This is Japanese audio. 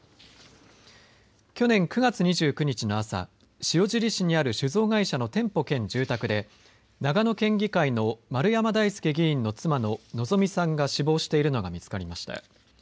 去年９月２９日の朝、塩尻市にある酒蔵会社の店舗兼住宅で、長野県議会の丸山大輔議員の妻の希美さんが死亡しているのが見つかりました。